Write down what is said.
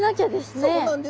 そうなんです。